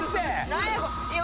何や？